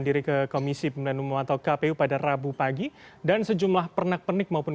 diri ke komisi pemilihan umum atau kpu pada rabu pagi dan sejumlah pernak pernik maupun